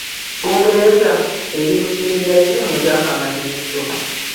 Bungereza eri mu kibinja ki mu z'akamalirizo?